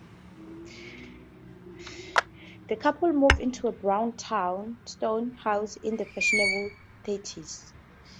The couple moved into a brownstone house in the fashionable Thirties.